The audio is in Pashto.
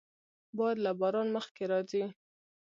باد له باران مخکې راځي